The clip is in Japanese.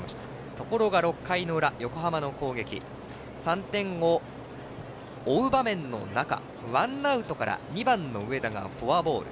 ところが６回３点を追う場面の中ワンアウトから２番の上田がフォアボール。